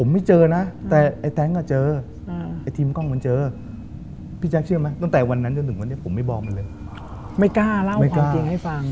ไม่กล้าเล่าความจริงให้ฟัง